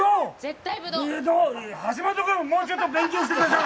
橋本君、もうちょっと勉強してください！